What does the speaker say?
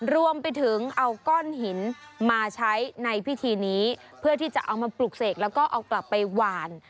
รวมไปถึงเอาก้อนหินมาใช้ในพิธีนี้เพื่อที่จะเอามาปลูกเสกแล้วก็เอากลับไปหวาน